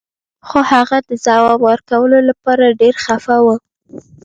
خو هغه د ځواب ورکولو لپاره ډیر خفه و